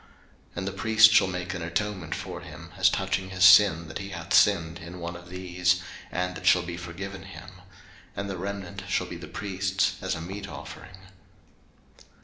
03:005:013 And the priest shall make an atonement for him as touching his sin that he hath sinned in one of these, and it shall be forgiven him: and the remnant shall be the priest's, as a meat offering.